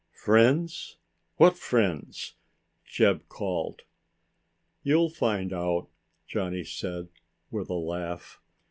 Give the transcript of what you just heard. "Friends! What friends?" Jeb called. "You'll find out," Johnny said, with a laugh.